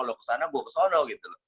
lo ke sana gue ke sana gitu